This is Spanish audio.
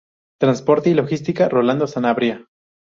Transporte y Logística: Rolando Sanabria.